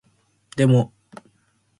でも